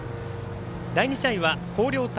第２試合は広陵対